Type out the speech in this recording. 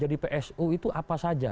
jadi syarat jadi psu itu apa saja